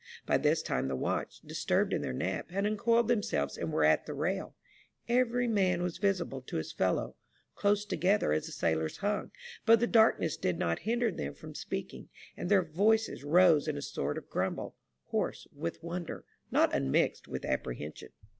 By this time the watch, disturbed in their nap, had uncoiled themselves, and were at the rail. Every man was invisible to his fellow, close together as the sailors hung, but the darkness did not hinder them from speaking, and their voices rose in a sort of grumble, hoarse with wonder, not unmixed with apprehension.